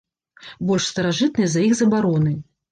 Больш старажытная за іх забароны.